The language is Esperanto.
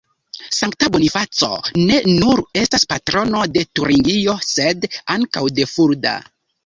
Sankta Bonifaco ne nur estas patrono de Turingio sed ankaŭ de Fulda.